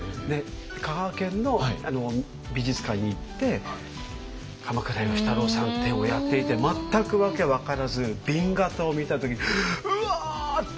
香川県の美術館に行って鎌倉芳太郎さん展をやっていて全く訳分からず紅型を見た時「うわ！」って